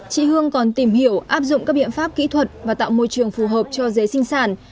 chị hương còn tìm hiểu áp dụng các biện pháp kỹ thuật và tạo môi trường phù hợp cho dế sinh sản